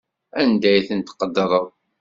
Anda ay ten-tqeddreḍ?